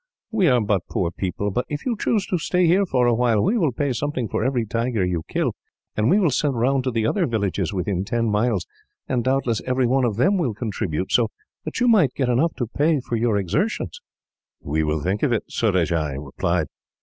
"We are but poor people, but if you choose to stay here for a time, we will pay something for every tiger you kill; and we will send round to the other villages, within ten miles, and doubtless every one of them will contribute, so that you might get enough to pay you for your exertions." "We will think of it," Surajah replied.